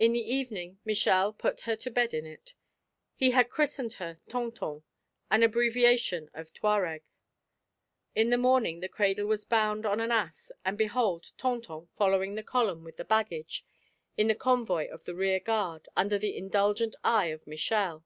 In the evening Michel put her to bed in it. He had christened her 'Tonton,' an abbreviation of Touareg. In the morning the cradle was bound on an ass, and behold Tonton following the column with the baggage, in the convoy of the rear guard, under the indulgent eye of Michel.